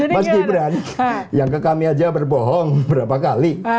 mas gibran yang ke kami aja berbohong berapa kali